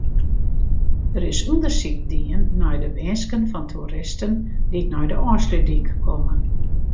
Der is ûndersyk dien nei de winsken fan toeristen dy't nei de Ofslútdyk komme.